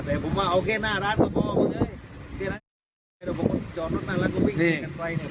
แต่ผมว่าโอเคหน้าร้านก็บอกปุ๊บเดี๋ยวผมจอดรถมาแล้วผมวิ่งไปกันไฟเนี่ย